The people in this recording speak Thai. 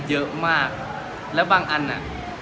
เยอะมากแล้วบางอันอ่ะ